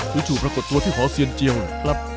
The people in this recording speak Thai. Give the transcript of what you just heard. ภูชูปรากฏตัวที่หอเซียนเจียวนะครับ